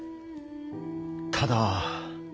ただ。